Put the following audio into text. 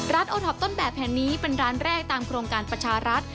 โอท็อปต้นแบบแห่งนี้เป็นร้านแรกตามโครงการประชารัฐ